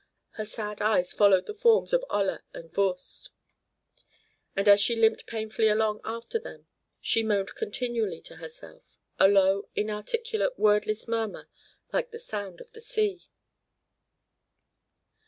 Her sad eyes followed the forms of Olla and Voorst, and as she limped painfully along after them, she moaned continually to herself, a low, inarticulate, wordless murmur like the sound of the sea.